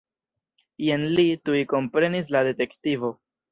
Jen li, tuj komprenis la detektivo.